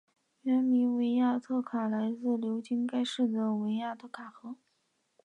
原名维亚特卡来自流经该市的维亚特卡河。